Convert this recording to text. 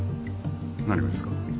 何がですか？